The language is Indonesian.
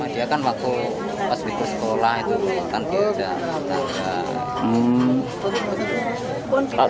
tidak ada yang mengetahuinya